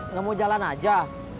nggak mau jalan aja